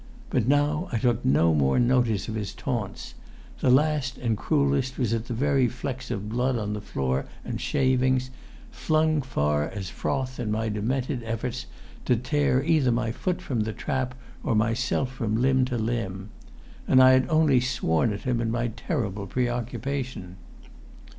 But now I took no more notice of his taunts. The last and cruellest was at the very flecks of blood on floor and shavings, flung far as froth in my demented efforts to tear either my foot from the trap or myself limb from limb.... And I had only sworn at him in my terrible preoccupation.